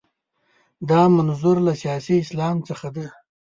دا منظور له سیاسي اسلام څخه دی.